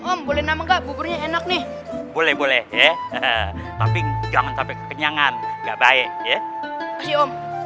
om boleh nama gak buburnya enak nih boleh boleh ya tapi jangan sampai kenyangan gak baik ya